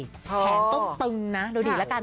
แขนต้องตึงนะดูดีแล้วกัน